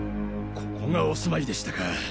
ここがお住まいでしたか。